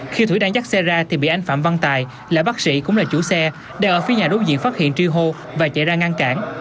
khi thủy đang dắt xe ra thì bị anh phạm văn tài là bác sĩ cũng là chủ xe để ở phía nhà đối diện phát hiện truy hô và chạy ra ngăn cản